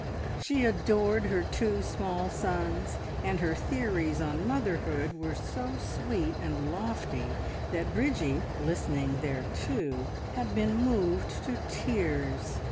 She adored her two small sons, and her theories on motherhood were so sweet and lofty that Bridgie, listening thereto, had been moved to tears.